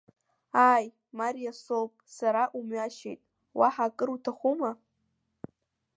Ааи, Мариа соуп сара, умҩашьеит, уаҳа акыр уҭахума?